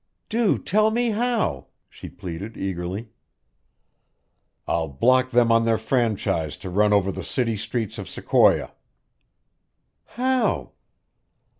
"Do tell me how," she pleaded eagerly. "I'll block them on their franchise to run over the city streets of Sequoia." "How?"